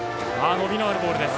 伸びのあるボールです。